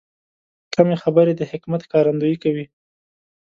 کمې خبرې، د حکمت ښکارندویي کوي.